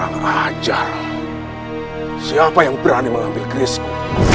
masuklah ke dalam kamar itu